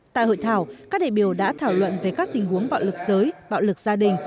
tại hội thảo các đại biểu đã thảo luận về các tình huống bạo lực giới bạo lực gia đình